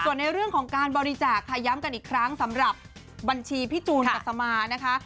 ส่วนในเรื่องของการบริจาคค่ะย้ำกันอีกครั้งสำหรับบัญชีพี่จูนกัสมานะคะ